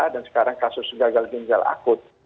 dan sekarang kasus gagal ginjal akut